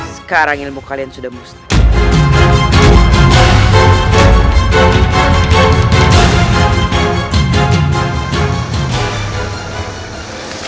sekarang ilmu kalian sudah musnah